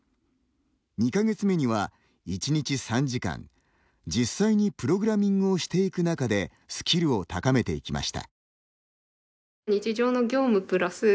２か月目には１日３時間、実際にプログラミングをしていく中でスキルを高めていきました。